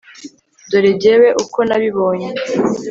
dore jyewe uko nabibonye